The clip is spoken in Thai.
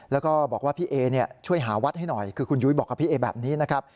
แล้วก็บอกว่าพี่เอช่วยหาวัดให้หน่อยคือคุณยุ้ยบอกกับพี่เอแบบนี้นะครับ